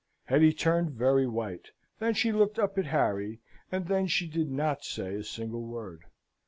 Hetty turned very white. Then she looked up at Harry, and then she did not say a single word.